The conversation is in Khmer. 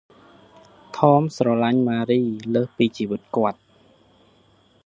ថម ស្រលាញ់ ម៉ារី លើសពីជីវិតគាត់ ។